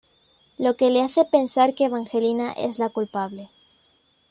Lo que le hace pensar que Evangelina es la culpable.